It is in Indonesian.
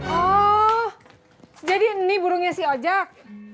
oh jadi ini burungnya si ojok